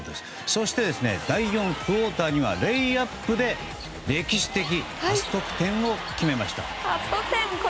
そして第４クオーターにはレイアップで歴史的初得点を決めました。